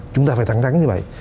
chúng ta phải thẳng thắng như vậy